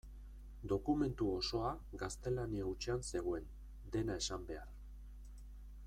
Dokumentu osoa gaztelania hutsean zegoen, dena esan behar.